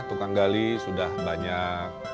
tukang gali sudah banyak